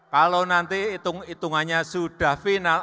kalau nanti hitung hitungannya sudah final